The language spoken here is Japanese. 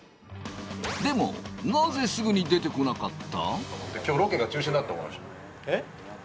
でも、なぜすぐに出てこなかった？